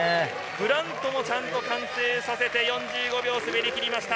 ブラントも完成させて４５秒滑りきりました。